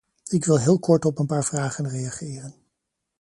Ik wil heel kort op een paar vragen reageren.